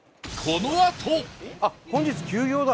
あっ本日休業だ。